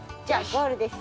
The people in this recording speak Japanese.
ゴールですよ。